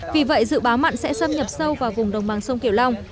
vì vậy dự báo mặn sẽ xâm nhập sâu vào vùng đồng bằng sông kiểu long